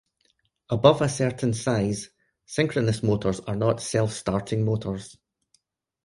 Above a certain size, synchronous motors are not self-starting motors.